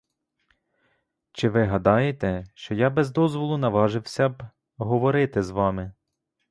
Чи ви гадаєте, що я без дозволу наважився б говорити з вами?